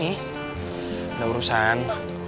gak ada urusan